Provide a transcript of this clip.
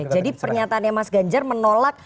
jadi pernyataannya mas ganjar menolak